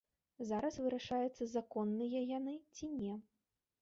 Зараз вырашаецца законныя яны, ці не.